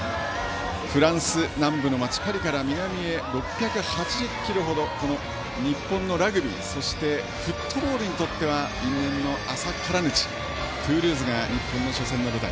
フランス南部の町パリから南へ６８０ｋｍ程この日本のラグビーそしてフットボールにとっては因縁の浅からず地トゥールーズが日本の初戦の舞台。